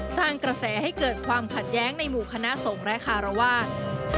สร้างกระแสให้เกิดความขัดแย้งในหมู่คณะสงฆ์และคารวาส